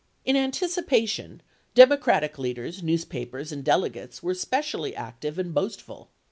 In anticipation, Democratic leaders, newspapers, and delegates were specially active and boastful.